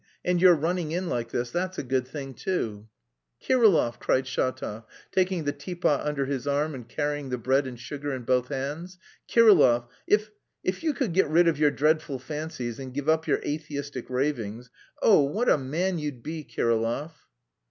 And your running in like this, that's a good thing too." "Kirillov!" cried Shatov, taking the teapot under his arm and carrying the bread and sugar in both hands. "Kirillov, if... if you could get rid of your dreadful fancies and give up your atheistic ravings... oh, what a man you'd be, Kirillov!"